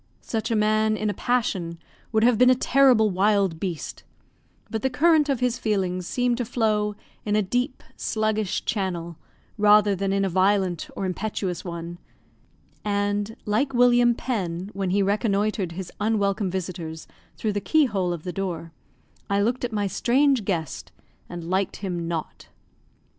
Such a man in a passion would have been a terrible wild beast; but the current of his feelings seemed to flow in a deep, sluggish channel, rather than in a violent or impetuous one; and, like William Penn, when he reconnoitred his unwelcome visitors through the keyhole of the door, I looked at my strange guest, and liked him not.